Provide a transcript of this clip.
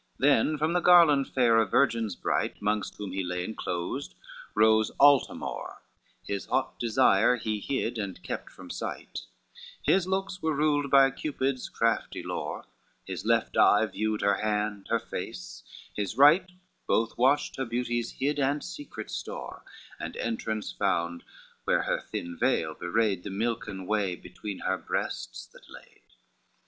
LXIX Then from the garland fair of virgins bright, Mongst whom he lay enclosed, rose Altamore, His hot desire he hid and kept from sight, His looks were ruled by Cupid's crafty lore, His left eye viewed her hand, her face, his right Both watched her beauties hid and secret store, And entrance found where her thin veil bewrayed The milken way between her breasts that laid.